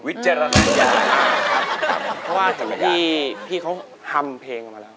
เพราะว่าที่พี่เขาฮัมเพลงมาแล้ว